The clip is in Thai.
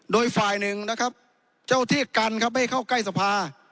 โดยฝ่ายหนึ่งนะครับเจ้าที่กันครับไม่ให้เข้าใกล้สภา